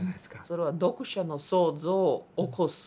それは読者の想像を起こす。